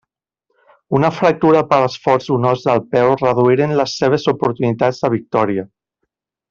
Una fractura per esforç d'un os del peu reduïren les seves oportunitats de victòria.